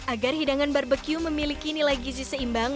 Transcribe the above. agar hidangan barbecue memiliki nilai gizi seimbang